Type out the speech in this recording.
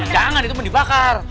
jangan itu mau dibakar